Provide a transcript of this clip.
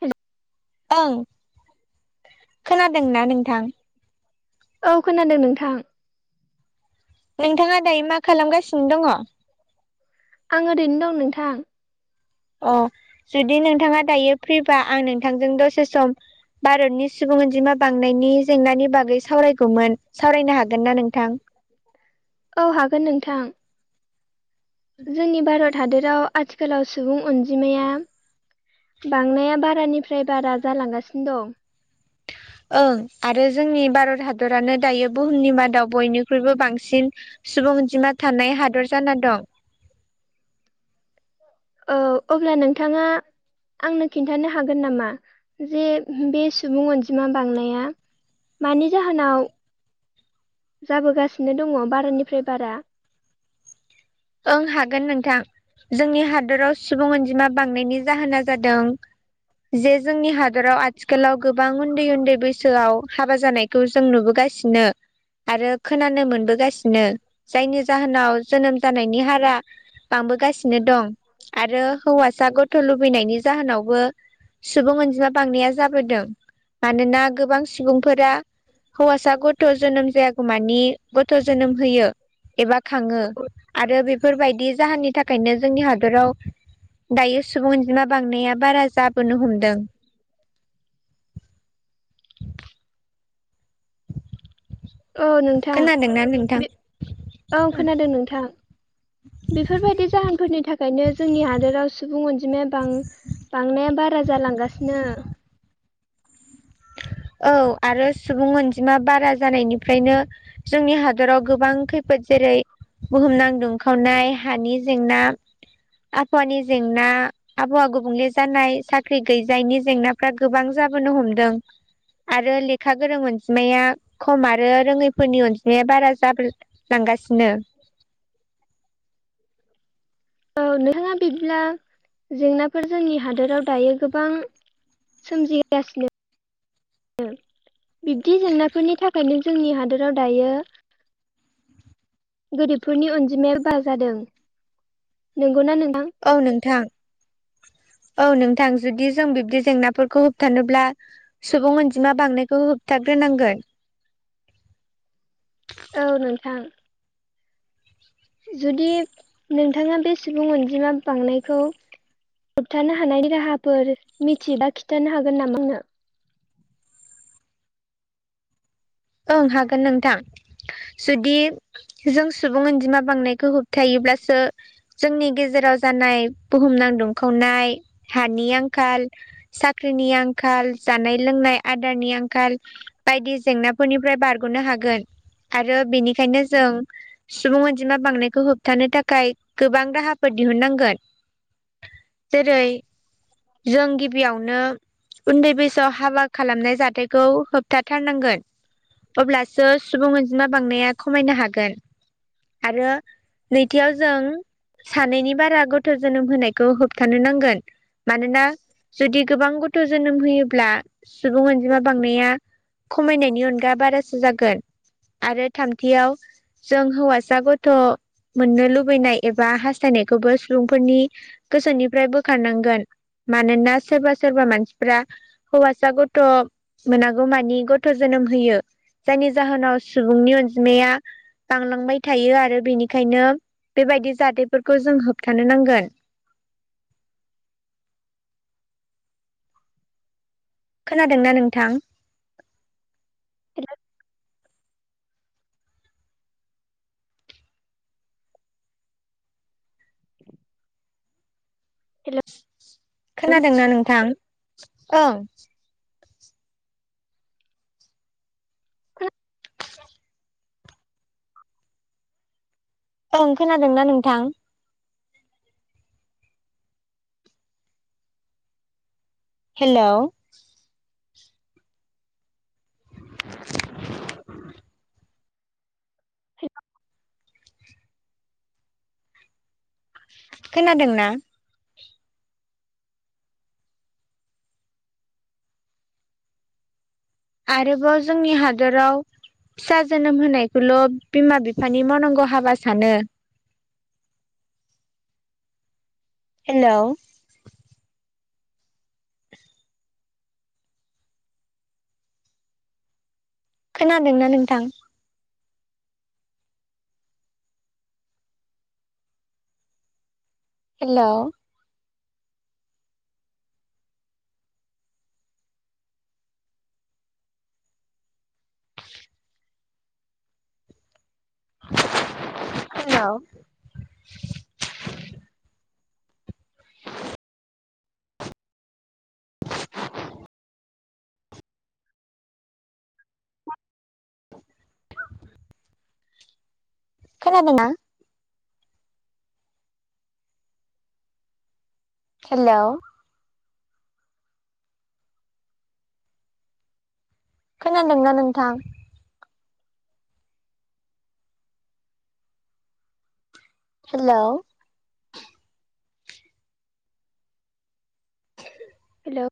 हेल ओं खोनादोंना नोंथां? औ खोनादों नोंथां नोंथाङा दायो मा खालामगासिनो दङ? आं ओरैनो दं नोंथां। अ जुदि नोंथाङा दायो फ्रिबा आं नोंथांजों दसे सम भारतनि सुबुं अनजिमा बांनायनि जेंनानि बागै सावरायगौमोन सावरायनो हा औ हागोन नोंथां जोंनि भारत हादराव आथिखालाव सुबुं अनजिमाया बांनाया बारानिफ्राय बारा जालांगासिनो दं ओं आरो जोंनि भारत हा दरानो दायो बुहुमनि मादाव बयनिख्रुइबो बांसिन सुबुंअजिमा थानाय हादर जाना दं। ओ अब्ला नोंथाङा आंनो खिन्थानो हागोन नामा जे बे सुबुं अनजिमा बांनाया मानि जाहोनाव जाबोगासिनो दङ बारानिफ्राय बारा ओं हागोन नोंथां जोंनि हादराव सुबुं अनजिमा बांनायनि जाहोना जादों जे जोंनि हादराव आथिखालाव गोबां उन्दै उन्दै बैसोआव हाबा जानायखौ जों नुबोगासिनो आरो खोनानो मोनबोगासिनो जायनि जाहोनाव जोनोम हारा बांबोगासिनो दं आरो हौवासा गथ थ' लुबैनायनि जाहोनावबो सुबुं अनजिमा बांनाया जाबोदों मानोना गोबां सुबुंफोरा हौवासा गथ' जोनोम जायागौ मानि गथ' जोनोम होयो एबा खाङो आरो बेफोरबायदि जाहोननि थाखायनो जोंनि हादराव दायो सुबुं अनजिमा बांनाया बारा जाबोनो हमदों औ नोंथां खोनादोंना नोंथां बि औ खोनादों नोंथां बेफोरबायदि जाहोनफोरनि थाखायनो जोंनि हादोराव सुबुं अनजिमाया बां-बांनाया बारा जालांगासिनो औ आरो सुबुं अनजिमा बारा जानायनिफ्रायनो जोंनि हादराव गोबां खैफोद जेरै बुहुमनां दुंखावनाय हानि जेंना आबहावानि जेंना आबहावा गुबुंले जानाय साख्रि गैजायनि जेंनाफ्रा गोबां जाबोनो हमदों आरो लेखा गोरों अनजिमाया खम आरो रोङैफोरनि अनजिमाया बारा जाब लांगासिनो औ नोंथाङा बिदिब्ला जेंनाफोर जोंनि हादोराव दायो गोबां सोमजिगासिनो ओ बिब्दि जेंनाफोरनि थाखायनो जोंनि हादोराव दायो गोरिबफोरनि अनजिमाया बारा जादों नंगौना नों औ नोंथां औ नोंथां जुदि जों बिब्दि जेंनाफोरखौ होबथानोब्ला सुबुं अनजिमा बांनायखौ होबथाग्रोनांगोन औ नोंथां जुदि नोंथाङा बे सुबुं अनजिमा बांनायखौ होबथानो हानायनि राहाफोर मिथिबा खिन्थानो हागोन नामानो? ओं हागोन नोंथां जुदि जों सुबुं अनजिमा बांनायखौ होबथायोबब्लासो जोंनि गेजेराव जानाय बुहुमनां दुंखावनाय हानि आंखाल साख्रिनि आंखाल जानाय लोंनाय आदारनि आंखाल बायदि जेंना फोरनिफ्राय बारग'नो हागोन आरो बेनिखायनो जों सुबुं अनजिमा बांनायखौ होबथानो थाखाय गोबां राहाफोर दिहुननांगोन जेरै जों गिबियावनो उन्दै बैसोआव हाबा खालामनाय जाथायखौ होबथाथारनांगोन। अब्लासो सुबुं अनजिमा बांनाया खमायनो हागोन आरो नैथियाव जों सानैनि बारा गथ' जोनोम होनायखौ होबथानो नांगोन मानोना जुदि गोबां गथ' जोनोम होयोब्ला सुबुं अनजिमा बांनाया खमायनायनि अन गा बारासो जागोन आरो थामथियाव जों हौवासा गथ' मोननो लुबैनाय एबा हास्थायनायखौबो सुबुंफोरनि गोसोनिफ्राय बोखारनांगोन मानोना सोरबा सोरबा मानसिफ्रा हौवासा गथ' मोनागौमानि गथ' जोनोम होयो जायनि जाहोनाव सुबुंनि अनजिमाया बांलांबाय थायो आरो बेनिखायनो बेबायदि जाथायफोरखौ जों होबथानो नांगोन [inaudible] खोनादोंना नोंथां? [inaudible] हेलौ खोनादोंना नोंथां? ओं [unintelligible] ओं खोनादोंना नोंथां? हेल' [unintelligible] [unintelligible] खोनादोंंना आरोबाव जोंनि हादराव फिसा जोनोम होनायखौल' बिमा बिफानि मावनांगौ हाबा सानो हेल' खोनादोंना नोंथां? हेल' [unintelligible] हेल' [inaudible] खोनादोंना हेल' खोनादोंना नोंथां हेल' हेल'